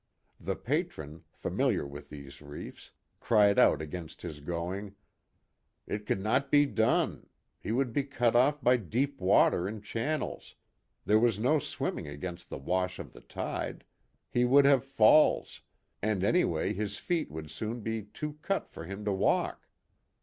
The Patron, familiar with these reefs, cried out against his going: "it could not be done he would be cut off by deep water in channels there was no swim ming against the wash of the tide he would have falls and any way his feet would soon be too cut for him to walk."